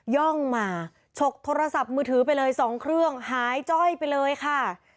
่องมาฉกโทรศัพท์มือถือไปเลย๒เครื่องหายจ้อยไปเลยค่ะ